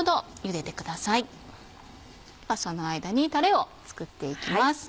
その間にタレを作っていきます。